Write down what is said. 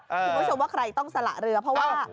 คุณผู้ชมว่าใครต้องสละเรือเพราะว่า